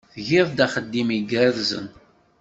Tgiḍ axeddim igerrzen.